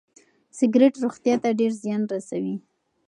سګریټ روغتیا ته ډېر زیان رسوي.